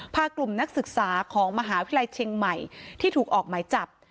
พากลุ่มนักศึกษาของมหาวิทยาลัยเชียงใหม่ที่ถูกออกหมายจับ